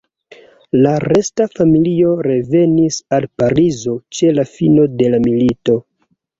La resta familio revenis al Parizo ĉe la fino de la milito.